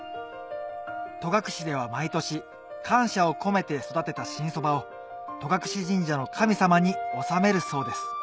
戸隠では毎年感謝を込めて育てた新そばを戸隠神社の神様に納めるそうです